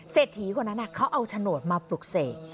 เศรษฐีคนนั้นเขาเอาโฉนดมาปลุกเสก